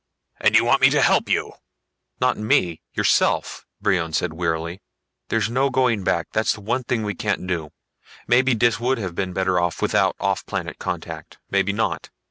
And you want me to help you!" "Not me yourself!" Brion said wearily. "There's no going back, that's the one thing we can't do. Maybe Dis would have been better off without offplanet contact. Maybe not.